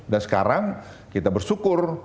dan sekarang kita bersyukur